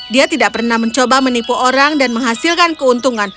dia tidak pernah mencoba menipu orang dan menghasilkan keuntungan